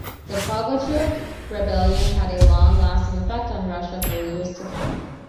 The Pugachev rebellion had a long-lasting effect on Russia for years to come.